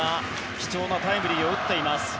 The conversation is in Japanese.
貴重なタイムリーを打っています。